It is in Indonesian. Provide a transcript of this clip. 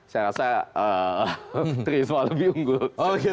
saya rasa risma lebih unggul